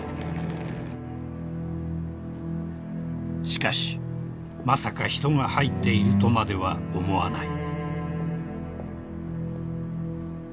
［しかしまさか人が入っているとまでは思わない］